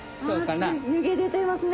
湯気出てますね